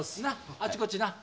あっちこっちな。